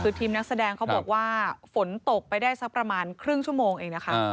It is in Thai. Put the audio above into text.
คือทีมนักแสดงเขาบอกว่าฝนตกไปได้สักประมาณครึ่งชั่วโมงเองนะคะ